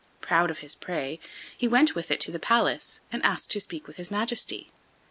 Proud of his prey, he went with it to the palace and asked to speak with his majesty.